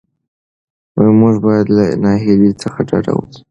موږ باید له ناهیلۍ څخه ډډه وکړو.